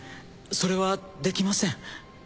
それはできません。